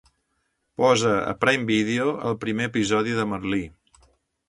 Posa a Prime Video el primer episodi de "Merlí".